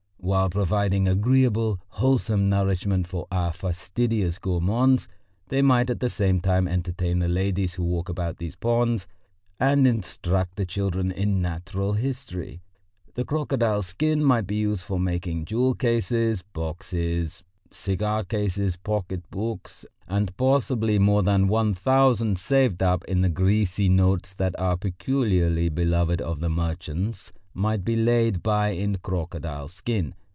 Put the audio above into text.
While providing agreeable, wholesome nourishment for our fastidious gourmands, they might at the same time entertain the ladies who walk about these ponds and instruct the children in natural history. The crocodile skin might be used for making jewel cases, boxes, cigar cases, pocket books, and possibly more than one thousand saved up in the greasy notes that are peculiarly beloved of merchants might be laid by in crocodile skin.